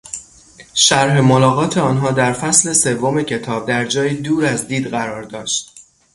شرح ملاقات آنها در فصل سوم کتاب در جایی دور از دید قرار داشت.